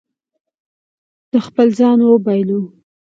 ده خپل ځان وبایلو.